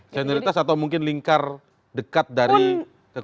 senioritas atau mungkin lingkar dekat dari kekuasaan